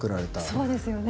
そうですよね。